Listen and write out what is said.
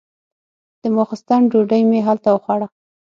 د ماسختن ډوډۍ مې هلته وخوړه.